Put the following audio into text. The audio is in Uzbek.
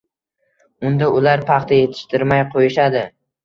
unda ular paxta yetishtirmay qo‘yishadi